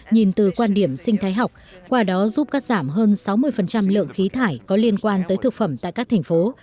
nhìn từ quan điểm sinh thái học qua đó giúp cắt giảm hơn sáu mươi lượng khí thải có liên quan tới thực phẩm tại các thành phố